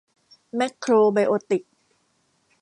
แมคโครไบโอติก